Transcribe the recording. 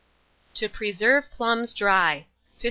TO PRESERVE PLUMS DRY. 1582.